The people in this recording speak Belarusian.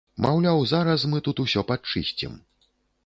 Маўляў, зараз мы тут усё падчысцім.